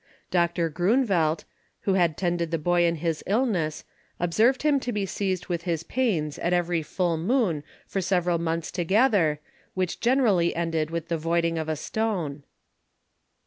Dr. Groenvelt, who had tended the Boy in his Illness, observed him to be seized with his Pains at every Full Moon for several Months together, which generally ended with the voiding of a Stone.